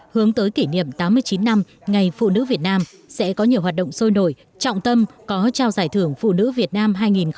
hướng tới kỷ niệm tám mươi chín năm ngày phụ nữ việt nam sẽ có nhiều hoạt động sôi nổi trọng tâm có trao giải thưởng phụ nữ việt nam hai nghìn một mươi chín